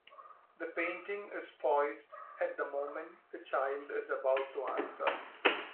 The painting is poised at the moment the child is about to answer.